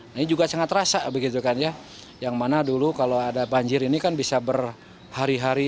nah ini juga sangat terasa begitu kan ya yang mana dulu kalau ada banjir ini kan bisa berhari hari